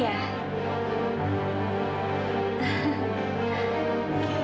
dapatkah lu irina